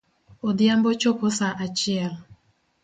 Odhiambo chopo saa achiel .